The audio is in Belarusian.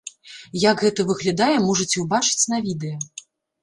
Як гэта выглядае, можаце ўбачыць на відэа.